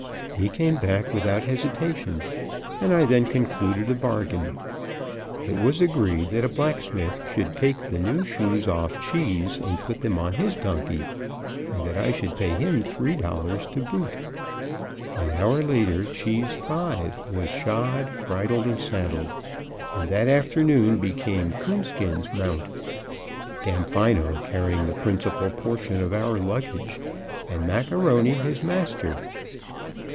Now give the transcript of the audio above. He came back without hesitation, and I then concluded a bargain. It was agreed that a blacksmith should take the new shoes off Cheese and put them on his donkey, and that I should pay him three dollars to boot. An hour later Cheese V was shod, bridled and saddled, and that afternoon became Coonskin's mount, Damfino carrying the principal portion of our luggage, and Mac A'Rony his master.